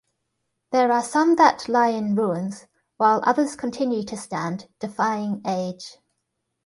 There are some that lie in ruins, while others continue to stand, defying age.